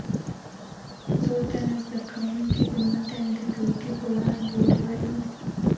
څو تنه زده کوونکي دې متن د ټولګي په وړاندې ولولي.